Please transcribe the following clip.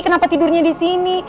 kenapa tidurnya disini